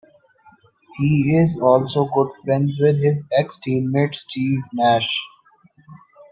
He is also good friends with his ex-teammate Steve Nash.